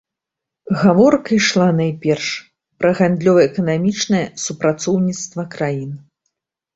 Гаворка ішла найперш пра гандлёва-эканамічнае супрацоўніцтва краін.